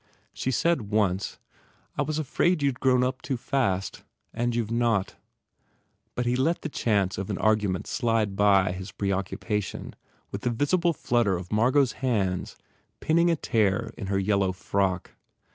She said once, "I was afraid you d grown up too fast. And you ve not," but he let the chance of an argument slide by his preoccupation with the visible flutter of Margot s hands pinning a tear in her yellow frock.